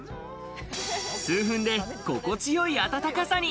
数分で心地よい温かさに。